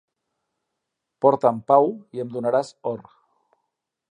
Porta'm pau i em donaràs or.